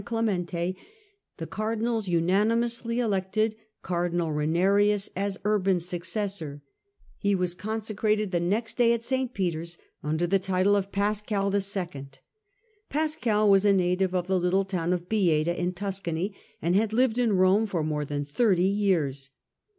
Clemente the cardinals unanimously elected Cardinal Rainerius as Urban's successor, and he was consecrated the next day in St. Peter's, under the title of Pascal 11. Pascal was a native of the little town of Bieda in Tuscany, and had lived in Rome for more than thirty years.